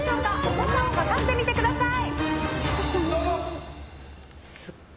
重さを量ってみてください。